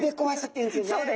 そうです。